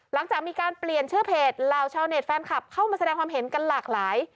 หลังจากมีการเปลี่ยนชื่อเพจเหล่าชาวเน็ตแฟนคลับเข้ามาแสดงความเห็นกันหลากหลาย